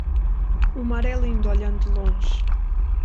O mar é lindo olhando de longe.